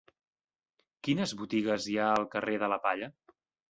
Quines botigues hi ha al carrer de la Palla?